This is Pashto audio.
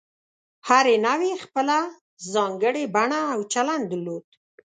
هرې نوعې خپله ځانګړې بڼه او چلند درلود.